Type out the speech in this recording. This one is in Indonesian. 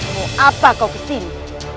mengapa kau datang ke sini